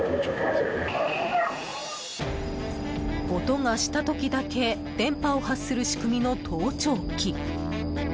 音がした時だけ電波を発する仕組みの盗聴器。